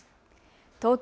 東京